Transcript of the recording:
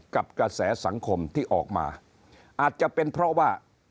กระแสสังคมที่ออกมาอาจจะเป็นเพราะว่า